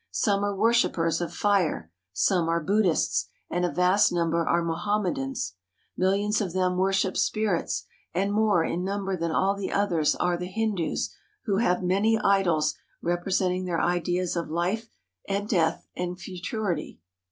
Some are worshipers of fire, some are Buddhists, and a vast number are Mohamme dans. MilHons of them worship spirits, and more in number than all the others are the Hindus, who have many idols representing their ideas of life and death and futurity.